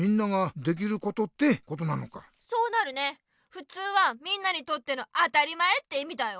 ふつうは「みんなにとっての当たり前」っていみだよ。